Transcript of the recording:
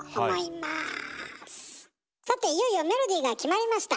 さていよいよメロディーが決まりました。